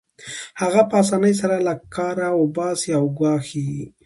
هغه په اسانۍ سره له کاره وباسي او ګواښي